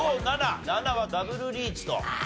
７はダブルリーチと。